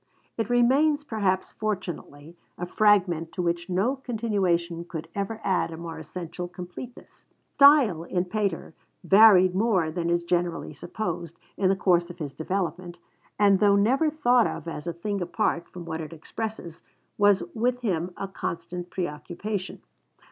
It remains, perhaps fortunately, a fragment, to which no continuation could ever add a more essential completeness. Style, in Pater, varied more than is generally supposed, in the course of his development, and, though never thought of as a thing apart from what it expresses, was with him a constant preoccupation.